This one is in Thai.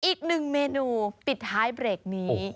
อีกหนึ่งเมนูปิดท้ายเบรกนี้